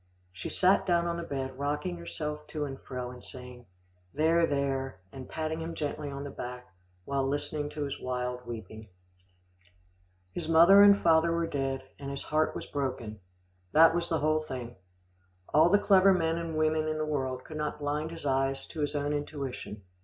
She sat down on the bed, rocking herself to and fro, and saying, "There, there," and patting him gently on the back while listening to his wild weeping. His father and mother were dead, and his heart was broken. That was the whole thing. All the clever men and women in the world could not blind his eyes to his own intuition.